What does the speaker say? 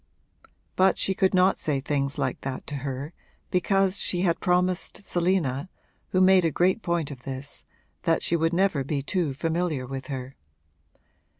But she could not say things like that to her, because she had promised Selina, who made a great point of this, that she would never be too familiar with her.